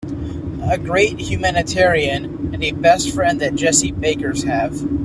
A great humanitarian and the best friend the Jessie Bakers have.